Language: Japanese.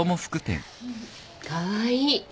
カワイイ。